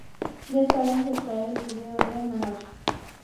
De este álbum, se extrae el video de "Una noche".